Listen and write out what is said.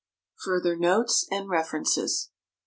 Further Notes and References.